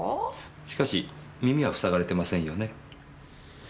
しかし耳はふさがれてませんよね？